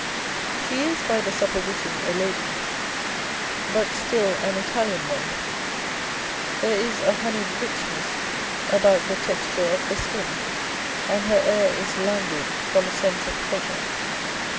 She is by the supposition a lady, but still an Italian one. There is a honeyed rich ness about the texture of the skin, and her air is languid from a sense of pleasure.